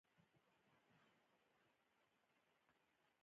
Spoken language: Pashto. له وس او توان نه به مو هم ووځي.